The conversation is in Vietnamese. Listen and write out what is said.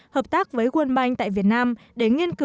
hợp tác với world bank tại việt nam để nghiên cứu